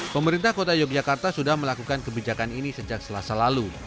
pemerintah kota yogyakarta sudah melakukan kebijakan ini sejak selasa lalu